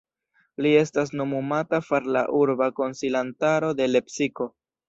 Li estas nomumata far la urba konsilantaro de Lepsiko.